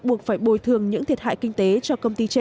buộc phải bồi thường những thiệt hại kinh tế cho công ty trên